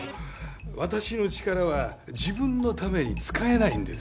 私の力は自分のために使えないんです。